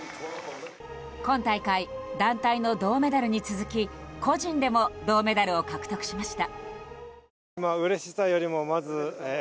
今大会、団体の銅メダルに続き個人でも銅メダルを獲得しました。